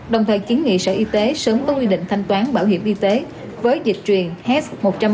đồng thời kiến nghị sở y tế sớm tốt quy định thanh toán bảo hiểm y tế với dịch truyền hes một trăm ba mươi